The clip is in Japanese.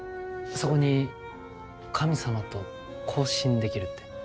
そこに「神様と交信できる」って。